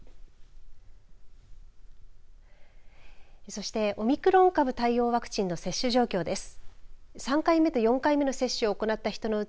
そして、オミクロン株対応ワクチンの接種状況です。